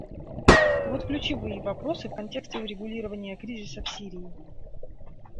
Вот ключевые вопросы в контексте урегулирования кризиса в Сирии.